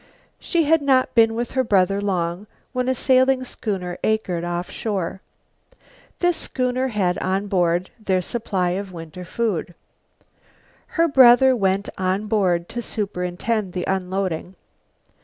She had not been with her brother long when a sailing schooner anchored off shore. This schooner had on board their winter supply of food. Her brother went on board to superintend the unloading.